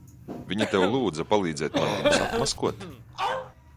Viņa tev lūdza palīdzēt man viņus atmaskot?